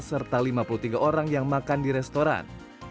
serta lima puluh tiga orang yang makan di restoran